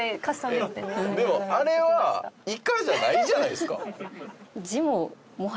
いやでもあれはイカじゃないじゃないですか。